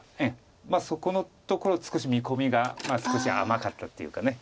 そこのところ見込みが少し甘かったというか。